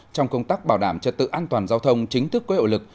trong công tác bảo đảm trật tự an toàn giao thông chính thức có hiệu lực